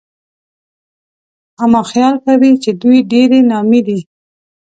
اما خيال کوي چې دوی ډېرې نامي دي